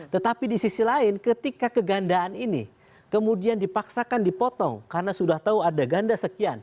tetapi di sisi lain ketika kegandaan ini kemudian dipaksakan dipotong karena sudah tahu ada ganda sekian